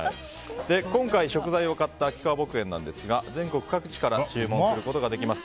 今回、食材を買った秋川牧園ですが全国各地から注文することができます。